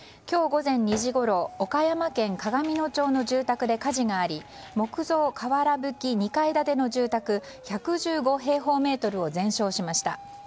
今日午前２時ごろ岡山県鏡野町の住宅で火事があり木造かわらぶき２階建ての住宅１１５平方メートルを全焼しました。